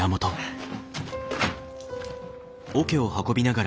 フッ。